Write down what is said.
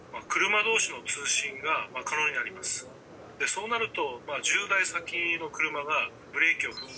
そうなると。